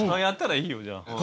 やったらいいよじゃあ。